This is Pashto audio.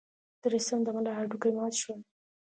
د رستم د ملا هډوکي مات شول.